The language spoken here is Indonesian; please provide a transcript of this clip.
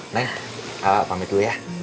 neng pamit dulu ya